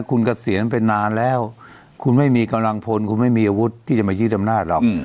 คุณเกษียณไปนานแล้วคุณไม่มีกำลังพลคุณไม่มีอาวุธที่จะมายืดอำนาจหรอก